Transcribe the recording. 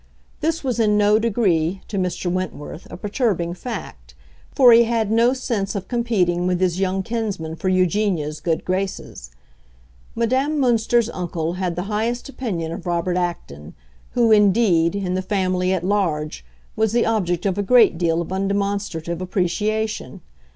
This was in no degree, to Mr. Wentworth, a perturbing fact, for he had no sense of competing with his young kinsman for Eugenia's good graces. Madame Münster's uncle had the highest opinion of Robert Acton, who, indeed, in the family at large, was the object of a great deal of undemonstrative appreciation.